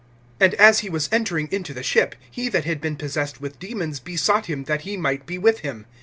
(18)And as he was entering into the ship, he that had been possessed with demons besought him that he might be with him.